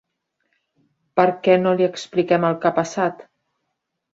Per què no li expliquem el que ha passat?